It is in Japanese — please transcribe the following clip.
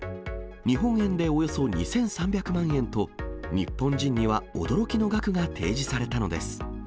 日本円でおよそ２３００万円と、日本人には驚きの額が提示されたのです。